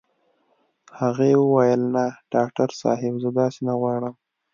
هغې وويل نه ډاکټر صاحب زه داسې نه غواړم.